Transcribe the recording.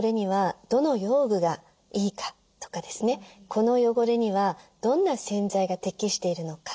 この汚れにはどんな洗剤が適しているのか。